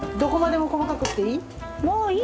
もういいて。